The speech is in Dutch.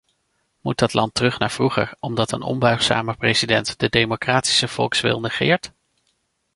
Moet dat land terug naar vroeger, omdat een onbuigzame president de democratische volkswil negeert?